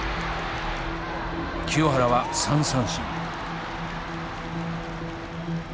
清原は３三振。